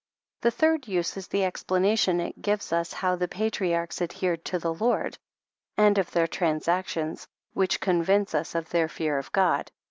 The third use is the explanation it gives us how the patriarchs adhered to the Lord, and of their transactions which convince us of their fear of God.